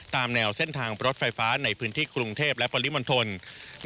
ตามแนวเส้นทางเปลอร์จะไฟฟ้าในพื้นที่กรุงเทพฯและบริมนตรฐาน